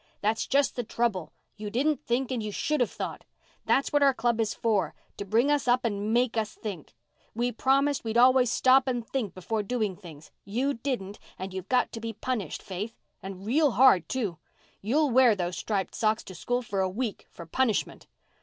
"That's just the trouble. You didn't think and you should have thought. That's what our Club is for—to bring us up and make us think. We promised we'd always stop and think before doing things. You didn't and you've got to be punished, Faith—and real hard, too. You'll wear those striped stockings to school for a week for punishment."